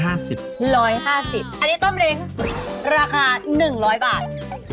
ราคา๑๐๐บาท